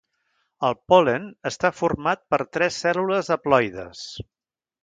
El pol·len està format per tres cèl·lules haploides.